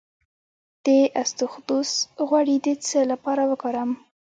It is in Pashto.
د اسطوخودوس غوړي د څه لپاره وکاروم؟